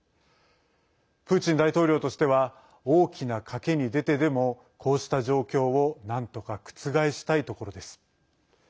プーチン大統領としては大きな賭けに出てでもこうした状況をなんとか覆したいところです。